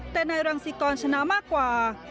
แต่นายรังสิกรชนะมากกว่า